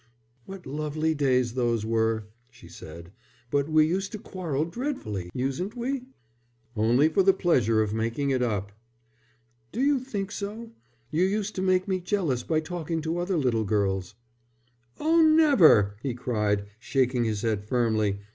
"What lovely days those were!" she said. "But we used to quarrel dreadfully, usen't we?" "Only for the pleasure of making it up." "Do you think so? You used to make me jealous by talking to other little girls." "Oh, never!" he cried, shaking his head, firmly.